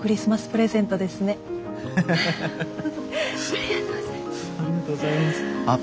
ありがとうございます。